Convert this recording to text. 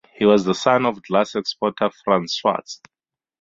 He was the son of glass exporter Franz Schwarz.